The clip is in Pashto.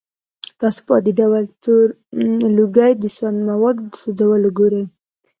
تاسې په عادي ډول تور لوګی د سون موادو د سوځولو کې ګورئ.